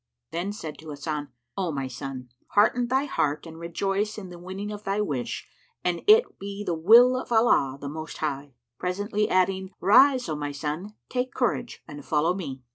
Then said he to Hasan, "O my son, hearten thy heart and rejoice in the winning of thy wish, an it be the will of Allah the Most High;" presently adding, "Rise, O my son, take courage and follow me."